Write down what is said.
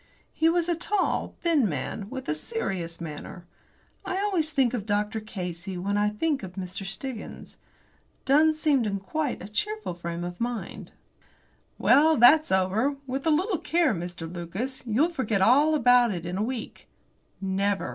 He was a tall, thin man, with a serious manner. I always think of Dr. Casey when I think of Mr. Stiggins. Dunn seemed in quite a cheerful frame of mind. "Well, that's over. With a little care, Mr. Lucas, you'll forget all about it in a week." Never!